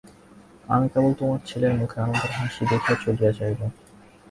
আমি কেবল তোমার ছেলের মুখে আনন্দের হাসি দেখিয়া চলিয়া যাইব।